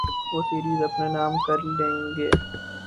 وہ سیریز اپنے نام کر لیں گے۔